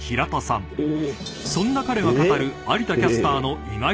［そんな彼が語る］